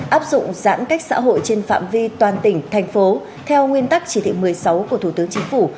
áp dụng giãn cách xã hội trên phạm vi toàn tỉnh thành phố theo nguyên tắc chỉ thị một mươi sáu của thủ tướng chính phủ